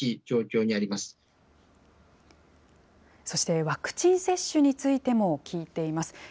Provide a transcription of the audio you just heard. そして、ワクチン接種についても聞いています。